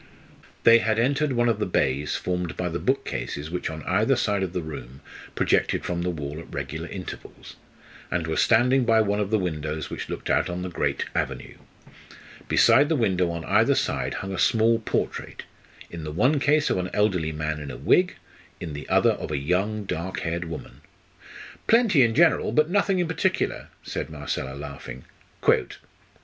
They had entered one of the bays formed by the bookcases which on either side of the room projected from the wall at regular intervals, and were standing by one of the windows which looked out on the great avenue. Beside the window on either side hung a small portrait in the one case of an elderly man in a wig, in the other of a young, dark haired woman. "Plenty in general, but nothing in particular," said Marcella, laughing. "Quote."